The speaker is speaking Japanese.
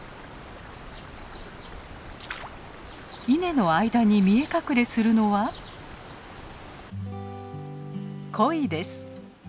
稲の間に見え隠れするのはコイです。